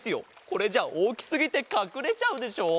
これじゃおおきすぎてかくれちゃうでしょ？